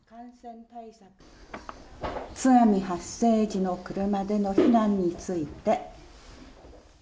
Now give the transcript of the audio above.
津波発生時の車での避難について。